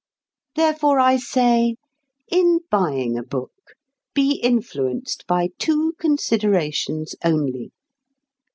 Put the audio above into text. _" Therefore I say: In buying a book, be influenced by two considerations only.